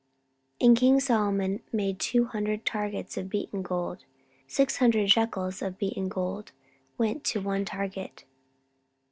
14:009:015 And king Solomon made two hundred targets of beaten gold: six hundred shekels of beaten gold went to one target.